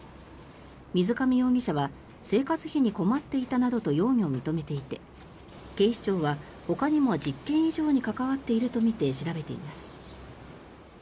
水上容疑者は生活費に困っていたなどと容疑を認めていて警視庁はほかにも１０件以上に関わっているとみて調べています。